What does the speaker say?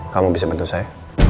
kamu bisa bantu saya